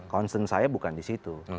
concern saya bukan disitu